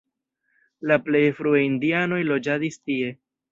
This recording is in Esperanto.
La plej frue indianoj loĝadis tie.